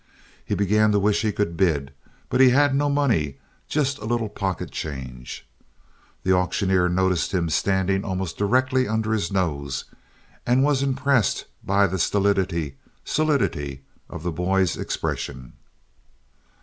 He began to wish he could bid; but he had no money, just a little pocket change. The auctioneer noticed him standing almost directly under his nose, and was impressed with the stolidity—solidity—of the boy's expression.